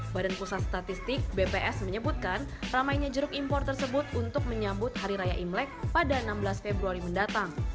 badan pusat statistik bps menyebutkan ramainya jeruk impor tersebut untuk menyambut hari raya imlek pada enam belas februari mendatang